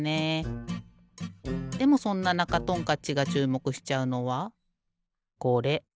でもそんななかトンカッチがちゅうもくしちゃうのはこれ。